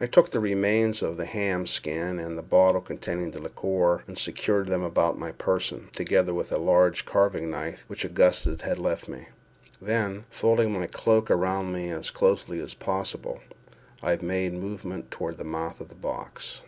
I took the remains of the ham skin, and the bottle containing the liqueur, and secured them about my person, together with a large carving knife which Augustus had left me—then, folding my cloak around me as closely as possible, I made a movement toward the mouth of the box.